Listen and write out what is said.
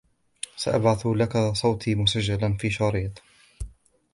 سأبعث لك صوتي مسجلا في شريط.